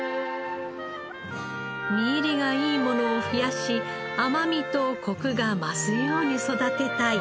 実入りがいいものを増やし甘みとコクが増すように育てたい。